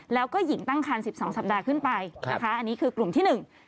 แล้วก็หญิงตั้งครรภ์๑๒สัปดาห์ขึ้นไปอันนี้คือกลุ่มที่๑